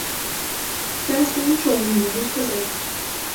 Зараз я нічога не магу сказаць.